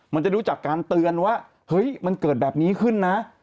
มันจะรู้จักการเตือนว่าเฮ้ยมันเกิดแบบนี้ขึ้นนะ